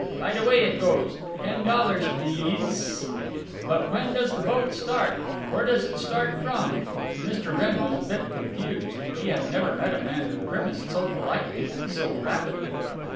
Right away it goes. Ten dollars pleas s s s." "But when does the boat start? Where does it start from?" Mr. Wrenn was a bit confused. He had never met a man who grimaced so politely and so rapidly.